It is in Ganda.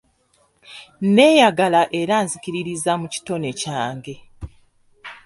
Neeyagala era nzikiririza mu kitone kyange.